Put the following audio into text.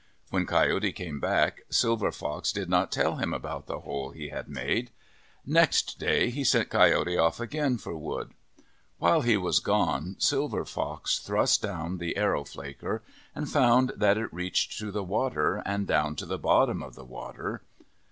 When Coyote came back, Silver Fox did not tell him about the hole he had made. Next day he sent Coyote off again for wood. While he was gone Silver Fox thrust down the arrow flaker and found that it reached to the water and down to the bottom of the water.